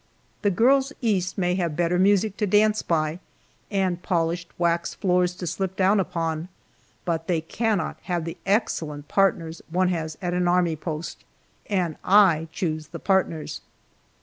The girls East may have better music to dance by, and polished waxed floors to slip down upon, but they cannot have the excellent partners one has at an army post, and I choose the partners!